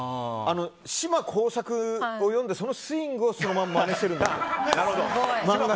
「島耕作」を読んでそのスイングをそのまま、まねしてるので。